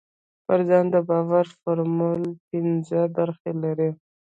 پر ځان د باور فورمول پينځه برخې لري.